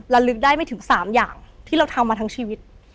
ระลึกได้ไม่ถึง๓อย่างที่เราทำมาทั้งชีวิต